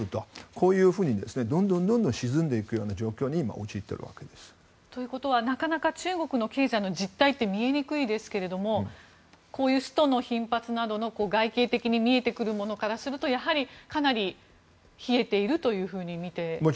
こういうふうにどんどん沈んでいくような状況に今、陥っているわけです。ということはなかなか中国の経済の実態は見えにくいですけどもこういうストの頻発など外形的に見えてくるものからするとやはり、かなり冷えていると見ていらっしゃるんですか。